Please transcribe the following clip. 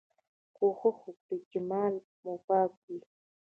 کوښښ وکړئ چي مال مو پاک وي.